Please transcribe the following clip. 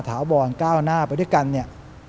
ถาวรก้าวหน้าไปด้วยกันเนี่ย